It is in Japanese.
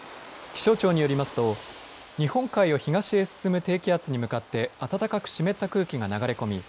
気象庁によりますと日本海を東へ進む低気圧に向かって暖かく湿った空気か流れ込み